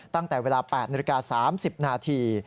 ตั้งแต่เวลา๘นาฬิกา๓๐นาที